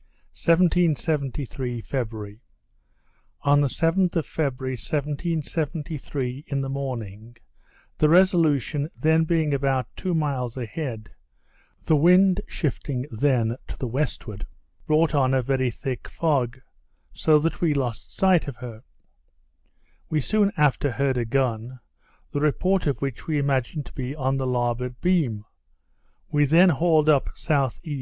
_ 1773 February On the 7th of February, 1773, in the morning, the Resolution being then about two miles a head, the wind shifting then to the westward, brought on a very thick fog; so that we lost sight of her. We soon after heard a gun, the report of which we imagined to be on the larboard beam; we then hauled up S.E.